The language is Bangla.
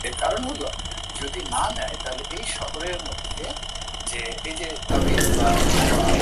বুদ্ধিমত্তা সহযোগে ব্যাটিংয়ের পাশাপাশি দলের প্রয়োজনে আক্রমণাত্মক খেলা উপহার দিয়ে থাকেন।